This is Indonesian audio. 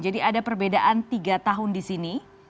jadi ada perbedaan tiga tahun di sini